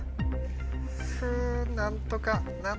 何とか。